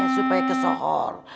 supaya ke sohor